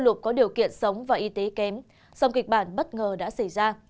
lục có điều kiện sống và y tế kém song kịch bản bất ngờ đã xảy ra